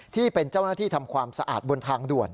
ที่เป็นเจ้าหน้าที่ทำความสะอาดบนทางด่วน